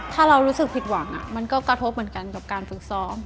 ถ้าเรารู้สึกผิดหวังมันก็กระทบเหมือนกันกับการฝึกซ้อม